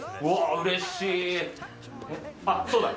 うれしい。